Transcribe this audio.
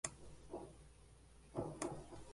J. P. Morgan, Jr.